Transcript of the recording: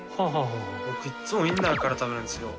僕いつもウィンナーから食べるんですよ。